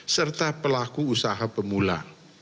serta pelaku usaha pemula